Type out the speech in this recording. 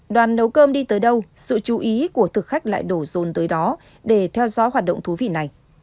đoàn nấu cơm đi tới đâu sự chú ý của thực khách lại đổ rồn tới đó để theo dõi hoạt động thú vị này